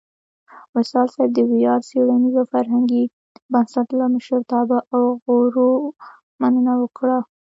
وصال صېب د ویاړ څیړنیز او فرهنګي بنسټ لۀ مشرتابۀ او غړو مننه وکړه